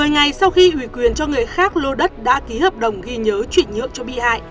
một mươi ngày sau khi ủy quyền cho người khác lô đất đã ký hợp đồng ghi nhớ chuyển nhượng cho bị hại